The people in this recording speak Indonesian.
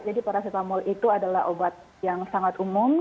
jadi parasetamol itu adalah obat yang sangat umum